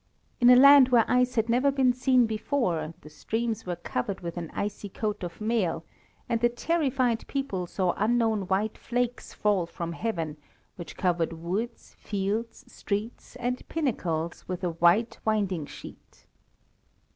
In a land where ice had never been seen before, the streams were covered with an icy coat of mail, and the terrified people saw unknown white flakes fall from heaven, which covered woods, fields, streets, and pinnacles with a white winding sheet.